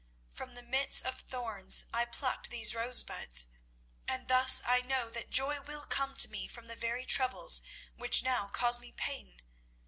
From the midst of thorns, I plucked these rosebuds; and thus I know that joy will come to me from the very troubles which now cause me pain.